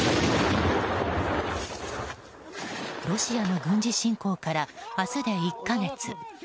ロシアの軍事侵攻から明日で１か月。